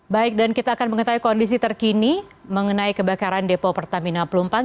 baik dan kita akan mengetahui kondisi terkini mengenai kebakaran depo pertamina pelumpang